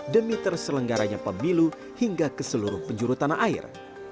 demi terselenggaranya pemilu hingga ke seluruh penjuru tanah air